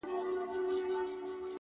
زما گلاب .گلاب دلبره نور به نه درځمه.